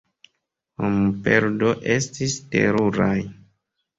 Homperdoj estis teruraj.